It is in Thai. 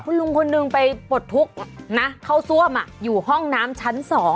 คุณลุงคนหนึ่งไปปลดทุกข์นะเข้าซ่วมอยู่ห้องน้ำชั้น๒